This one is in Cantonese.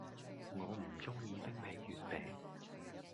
我唔鍾意冰皮月餅